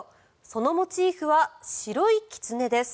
そのモチーフは白いキツネです。